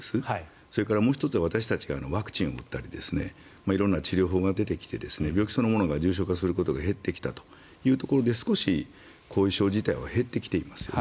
それから、もう１つは私たちがワクチンを打ったり色んな治療法が出てきて病気そのものが重症化することが減ってきたというところで少し後遺症自体は減ってきていますよね。